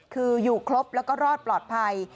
คืออยู่ครบแล้วก็รอดปลอดภัย